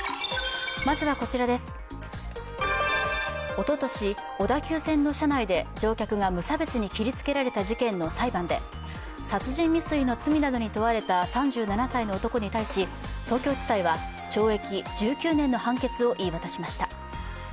おととし、小田急線の車内で乗客が無差別に切りつけられた事件の裁判で殺人未遂の罪などに問われた３７歳の男に対し東京地裁は懲役１９年の判決を言い渡しました。